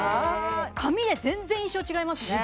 髪で全然印象違いますね